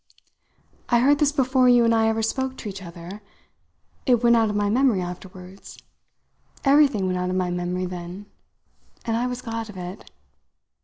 "I heard this before you and I ever spoke to each other. It went out of my memory afterwards. Everything went out of my memory then; and I was glad of it.